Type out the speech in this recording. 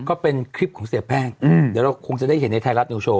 ก็เป็นคลิปของเสียแป้งเดี๋ยวเราคงจะได้เห็นในไทยรัฐนิวโชว